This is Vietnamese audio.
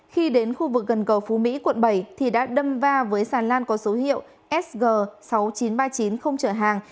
khi đến khu vực gần cầu phú mỹ quận bảy thì đã đâm va với xà lan có số hiệu sg sáu nghìn chín trăm ba mươi chín không chở hàng